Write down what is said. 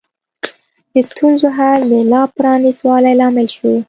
د ستونزو حل د لا پرانیست والي لامل شو.